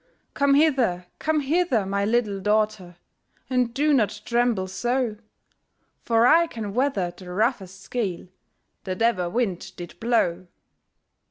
'Come hither! come hither! my little daughtèr. And do not tremble so; For I can weather the roughest gale That ever wind did blow.'